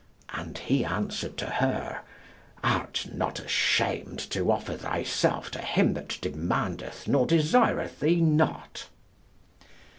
And he answered to her, "Art not ashamed to offer thyself to him that demandeth nor desireth thee not?"